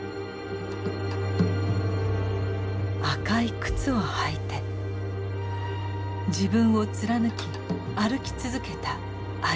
赤い靴を履いて自分を貫き歩き続けた有吉佐和子。